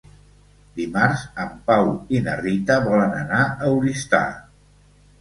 Dimarts en Pau i na Rita volen anar a Oristà.